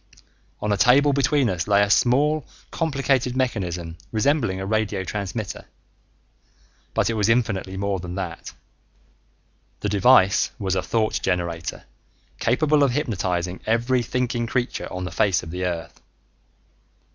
On a table between us lay a small complicated mechanism resembling a radio transmitter. But it was infinitely more than that. The device was a thought generator capable of hypnotizing every thinking creature on the face of the earth.